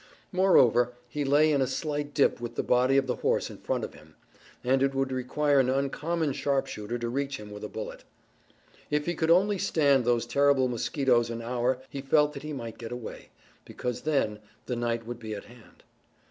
Moreover he lay in a slight dip with the body of the horse in front of him, and it would require an uncommon sharpshooter to reach him with a bullet. If he could only stand those terrible mosquitoes an hour he felt that he might get away, because then the night would be at hand.